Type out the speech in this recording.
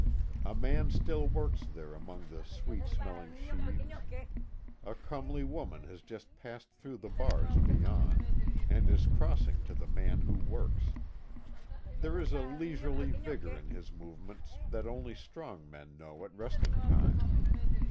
A man still works there among the sweet smelling sheaves. A comely woman has just passed through the bars beyond, and is crossing to the man who works. There is a leisurely vigor in his movements that only strong men know at resting time.